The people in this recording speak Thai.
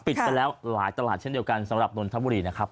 ปิดไปแล้วหลายตลาดเช่นเดียวกันสำหรับนนทบุรีนะครับ